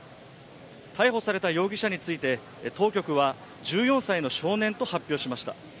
逮捕された容疑者について、当局は１４歳の少年と発表しました。